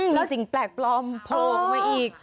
มีสิ่งแปลกปลอมโผล่มาอีก